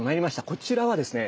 こちらはですね